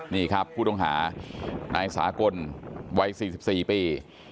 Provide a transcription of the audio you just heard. นี่ครับผู้ต้องหานายสากลวัย๔๔ปี